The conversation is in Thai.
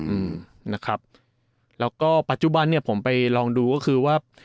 อืมนะครับแล้วก็ปัจจุบันเนี้ยผมไปลองดูก็คือว่า